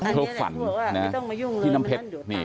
เธอฝันที่น้ำเพชร